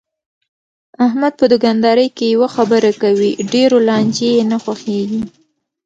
احمد په دوکاندارۍ کې یوه خبره کوي، ډېرو لانجې یې نه خوښږي.